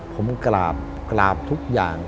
ผมกราบทุกอย่าง